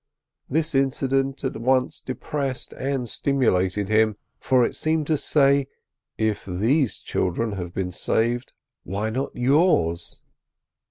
This incident at once depressed and stimulated him, for it seemed to say, "If these children have been saved, why not yours?"